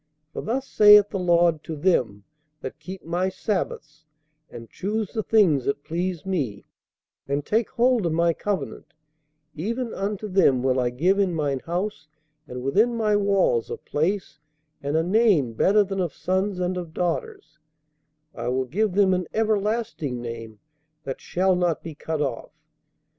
For thus saith the Lord to' them 'that keep my sabbaths, and choose the things that please me, and take hold of my covenant; even unto them will I give in mine house and within my walls a place and a name better than of sons and of daughters; I will give them an everlasting name, that shall not be cut off.